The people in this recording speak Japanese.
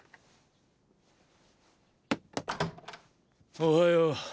おはよう。